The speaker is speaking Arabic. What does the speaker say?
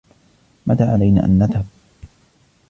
متى علينا أن نذهب ؟